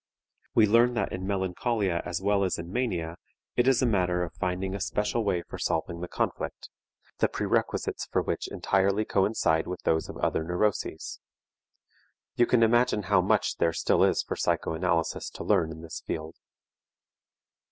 We learn that in melancholia as well as in mania, it is a matter of finding a special way for solving the conflict, the prerequisites for which entirely coincide with those of other neuroses. You can imagine how much there still is for psychoanalysis to learn in this field.